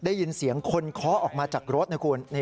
ได้ยินเสียงคนเคาะออกมาจากรถนะคุณ